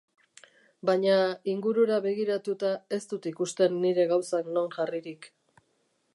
Baina ingurura begiratuta ez dut ikusten nire gauzak non jarririk.